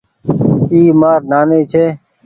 اي مآر نآني ڇي۔